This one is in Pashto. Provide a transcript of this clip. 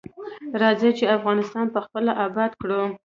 راځی چی افغانستان پخپله اباد کړو.